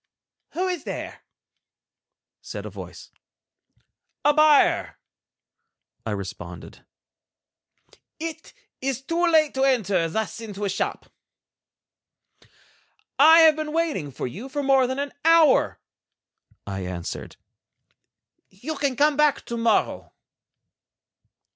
"Who is there?" said a voice. "A buyer," I responded. "It is too late to enter thus into a shop." "I have been waiting for you for more than an hour," I answered. "You can come back to morrow."